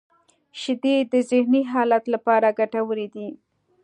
• شیدې د ذهنی حالت لپاره ګټورې دي.